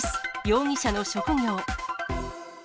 容疑者の職業。